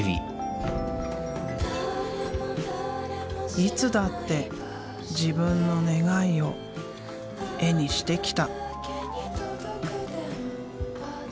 いつだって自分の願いを絵にしてきた。